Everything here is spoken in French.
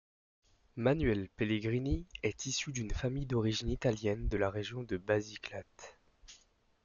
Manuel Pellegrini est issue d'une famille d'origine italienne de la région de Basilicate.